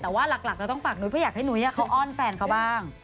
แต่ว่าหลักเราต้องฝากนุ้ยเพราะอยากให้นุ้ยเขาอ้อนแฟนเขาบ้าง